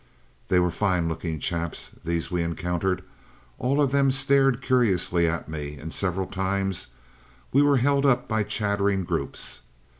"They were fine looking chaps these we encountered. All of them stared curiously at me, and several times we were held up by chattering groups.